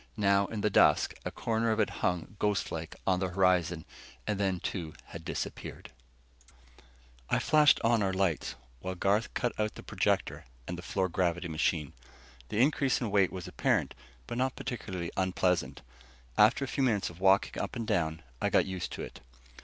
Now, in the dusk, a corner of it hung ghostlike on the horizon, and then too had disappeared. I flashed on our lights, while Garth cut out the projector and the floor gravity machine. The increase in weight was apparent, but not particularly unpleasant. After a few minutes of walking up and down I got used to it.